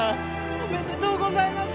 おめでとうございます！